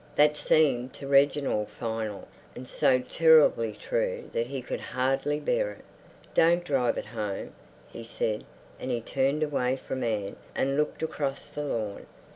That seemed to Reginald final, and so terribly true that he could hardly bear it. "Don't drive it home," he said, and he turned away from Anne and looked across the lawn.